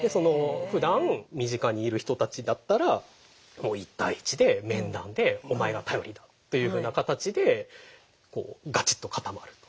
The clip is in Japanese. ふだん身近にいる人たちだったらもう１対１で面談で「お前が頼りだ」というふうな形でこうガチッと固まる。